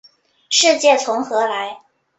世界从何来？